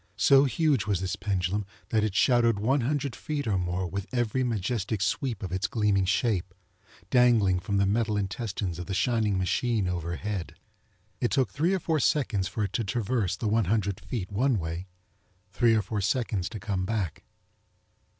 So huge was this pendulum that it shadowed one hundred feet or more with every majestic sweep of its gleaming shape, dangling from the metal intestines of the shining machine overhead. It took three or four seconds for it to traverse the one hundred feet one way, three or four seconds to come back.